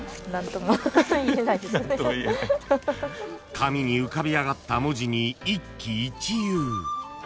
［紙に浮かび上がった文字に一喜一憂］